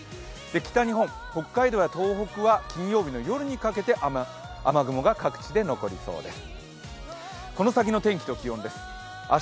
北日本、北海道や東北は金曜日の夜にかけて雨雲が各地で残りそうです。